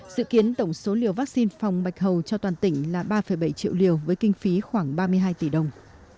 dự kiến tổng số liều vaccine phòng bạch hầu cho toàn tỉnh là ba bảy triệu liều với kinh phí khoảng ba mươi hai tỷ đồng